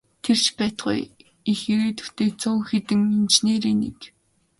Тэр ч байтугай их ирээдүйтэй цөөн хэдэн инженерийн нэг.